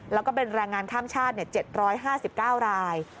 แล้วก็เป็นแรงงานข้ามชาติ๗๕๙ราย